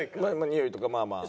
においとかまあまあ。